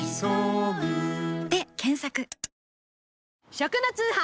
食の通販。